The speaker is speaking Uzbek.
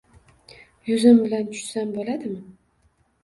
Yuzim bilan tushsam bo‘ladimi…